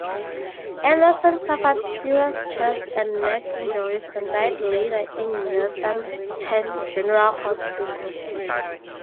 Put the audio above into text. Anderson suffered serious chest and neck injuries and died later in Northampton General Hospital.